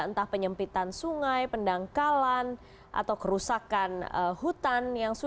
entah penyempitan sungai pendangkalan atau kerusakan hutan